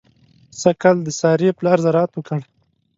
سږ کال د سارې پلار زراعت وکړ.